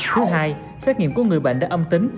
thứ hai xét nghiệm của người bệnh đã âm tính